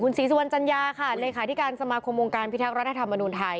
ศรีสุวรรณจัญญาค่ะเลขาธิการสมาคมองค์การพิทักษ์รัฐธรรมนุนไทย